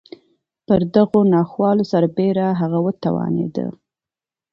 پر دغو ناخوالو سربېره هغه وتوانېده.